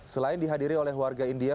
selain dihadiri oleh warga india